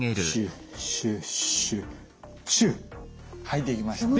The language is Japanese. はいできました。